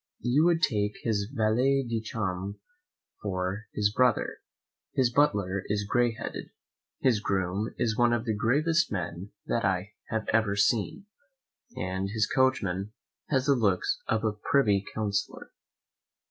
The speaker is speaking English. You would take his valet de chambre for his brother, his butler is gray headed, his groom is one of the gravest men that I have ever seen, and his coachman has the looks of a privy counsellor.